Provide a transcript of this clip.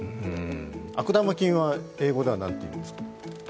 悪玉菌は英語では何と言うんですか。